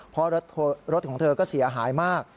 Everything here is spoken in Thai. เพราะรถของเธอก็เสียหายมาก